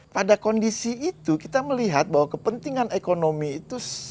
pada kondisi itu kita melihat bahwa kepentingan ekonomi itu